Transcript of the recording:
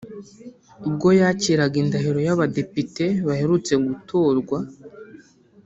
ubwo yakiraga indahiro y’abadepite baherutse gutorwa